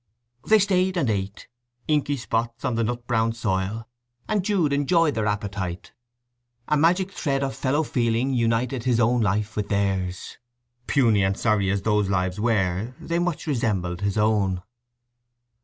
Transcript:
They stayed and ate, inky spots on the nut brown soil, and Jude enjoyed their appetite. A magic thread of fellow feeling united his own life with theirs. Puny and sorry as those lives were, they much resembled his own.